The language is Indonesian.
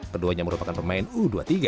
keduanya merupakan pemain u dua puluh tiga